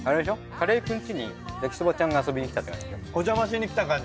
カレーくんちに焼きそばちゃんが遊びにきたって感じ。